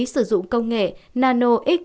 sử dụng công nghệ nano x